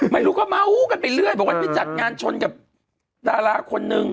ไม่รู้ก็เมาส์กันไปเรื่อยบอกว่าพี่จัดงานชนกับดาราคนนึง